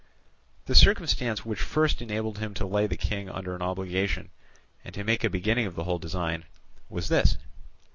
The circumstance which first enabled him to lay the King under an obligation, and to make a beginning of the whole design, was this.